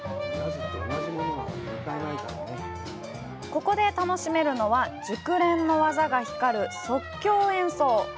ここで楽しめるのは、熟練の技が光る即興演奏！